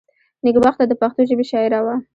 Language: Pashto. نېکبخته دپښتو ژبي شاعره وه.